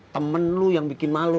temen lo yang bikin malu